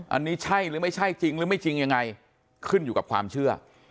อันนี้ใช่หรือไม่ใช่จริงหรือไม่จริงยังไงขึ้นอยู่กับความเชื่อ